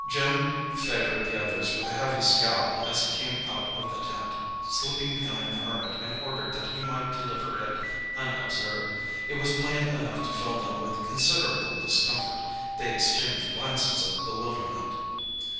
Jim favoured the others with a heavy scowl as he came out of the tent, slipping behind the Hermit in order that he might deliver it unobserved. It was plain enough to fill them with considerable discomfort. They exchanged glances of bewilderment.